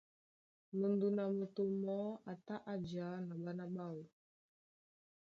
Mudun a moto mɔɔ́ a tá a jǎ na ɓána ɓáō.